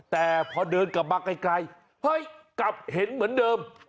แต่พอเดินกลับมาไกลเฮ้ยกลับเห็นเหมือนเดิม